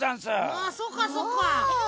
ああそっかそっか。